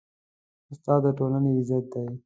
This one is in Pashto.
استاد د ټولنې عزت دی.